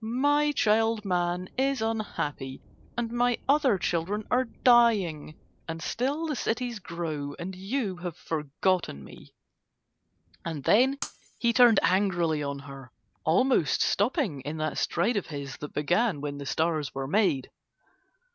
My child Man is unhappy and my other children are dying, and still the cities grow and you have forgotten me!" And then he turned angrily on her, almost stopping in that stride of his that began when the stars were made.